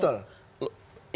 tapi itu betul